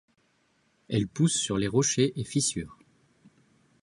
Elle pousse sur les rochers et fissures.